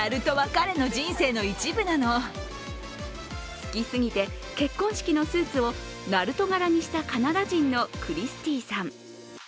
好きすぎて結婚式のスーツをナルト柄にしたカナダ人のクリスティーさん。